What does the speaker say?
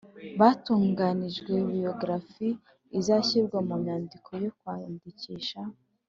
Hatunganijwe bibliographie izashyirwa mu nyandiko yo kwandikisha